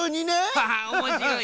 ハハッおもしろい！